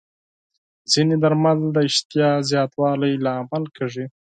ځینې درمل د اشتها زیاتوالي لامل کېږي.